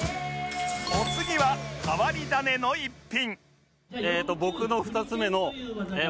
お次は変わり種の一品